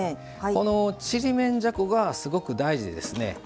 このちりめんじゃこがすごく大事ですね。